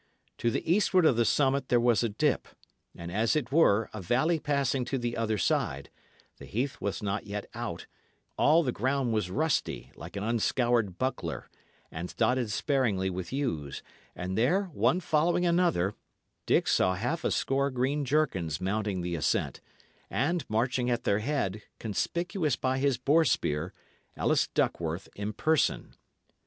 To the eastward of the summit there was a dip, and, as it were, a valley passing to the other side; the heath was not yet out; all the ground was rusty, like an unscoured buckler, and dotted sparingly with yews; and there, one following another, Dick saw half a score green jerkins mounting the ascent, and marching at their head, conspicuous by his boar spear, Ellis Duckworth in person.